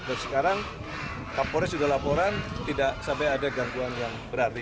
dan sekarang kapolis sudah laporan tidak sampai ada gangguan yang berarti